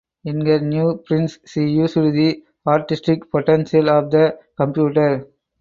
In her new prints she used the artistic potential of the computer.